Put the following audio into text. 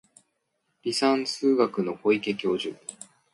離散数学の小池教授